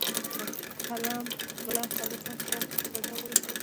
غلم قادرخان په سزا ورساوه.